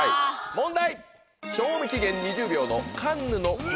問題！